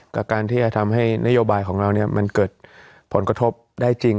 กับการทำให้โนโลกาลิกอินได้จริง